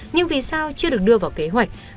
nhưng vì sao chưa được đưa vào kế hoạch